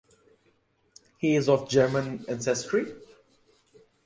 He is of German ancestry.